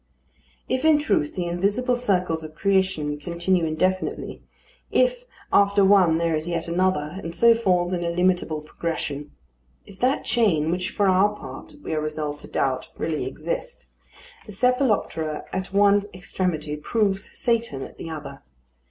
If, in truth, the invisible circles of creation continue indefinitely, if after one there is yet another, and so forth in illimitable progression; if that chain, which for our part we are resolved to doubt, really exist, the cephaloptera at one extremity proves Satan at the other.